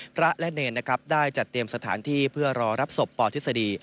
พระและเนรนะครับได้จัดเตรียมสถานที่เพื่อรอรับศพปทฤษฎี